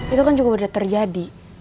itu kan juga sudah terjadi